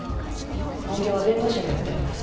本業は弁護士をやっております。